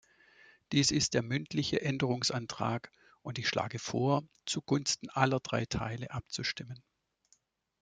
Dies ist der mündliche Änderungsantrag, und ich schlage vor, zugunsten aller drei Teile abzustimmen.